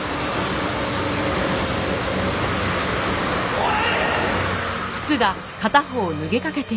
おい！